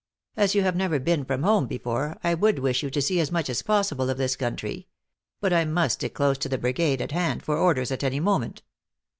" As you have never been from home before, I would wish you to see as much as possible of this country.* But I must stick close to the brigade, at hand for orders at any moment."